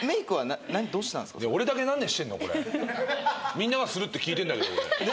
みんながするって聞いてんだけど俺。